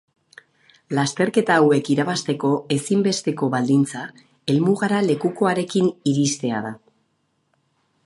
Lasterketa hauek irabazteko ezinbesteko baldintza helmugara lekukoarekin iristea da.